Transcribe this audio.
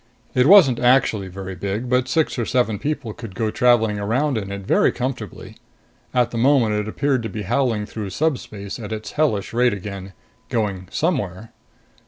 It wasn't actually very big, but six or seven people could go traveling around in it very comfortably. At the moment it appeared to be howling through subspace at its hellish rate again, going somewhere.